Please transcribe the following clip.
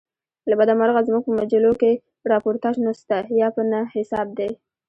له بده مرغه زموږ په مجلوکښي راپورتاژ نسته یا په نه حساب دئ.